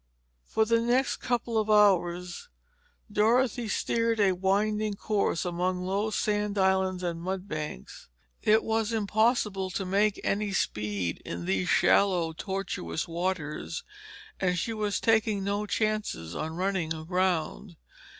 For the next couple of hours Dorothy steered a winding course among low sandy islands and mudbanks. It was impossible to make any speed in these shallow, tortuous waters and she was taking no chances on running aground.